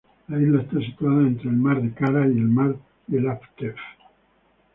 La isla está situada entre el mar de Kara y el mar de Láptev.